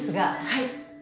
はい。